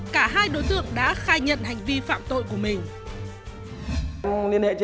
cả hai đối tượng đã khai nhận hành vi phạm tội của mình